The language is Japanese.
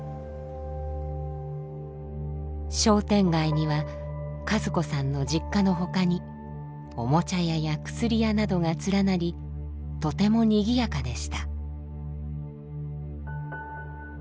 商店街には和子さんの実家の他におもちゃ屋や薬屋などが連なりとても賑やかでした。